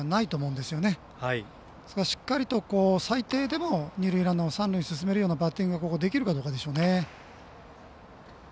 ですから、しっかりと最低でも、二塁ランナーを三塁に進めるようなバッティングができるかどうかですね。